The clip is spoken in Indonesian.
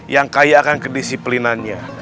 yang kaya akan kedisiplinannya